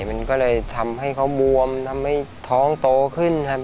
มันก็เลยทำให้เขาบวมทำให้ท้องโตขึ้นครับ